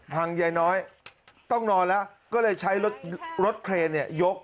พังไยน้อยต้องนอนแล้วก็เลยใช้รถเครนยก